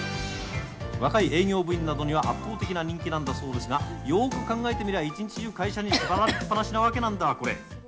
若い営業部員などには圧倒的な人気なんだそうですが、よーく考えてみりゃ、一日中、会社に縛られっぱなしなわけだ、これ。